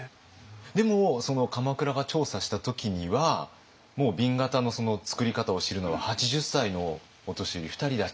でもその鎌倉が調査した時にはもう紅型の作り方を知るのは８０歳のお年寄り２人だけ。